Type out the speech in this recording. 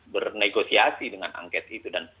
bernegosiasi dengan angket itu